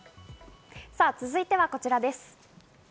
続いてはこちらです。